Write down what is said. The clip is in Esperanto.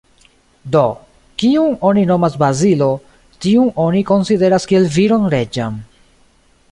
Do: Kiun oni nomas Bazilo, tiun oni konsideras kiel viron reĝan.